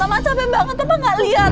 mama capek banget papa gak liat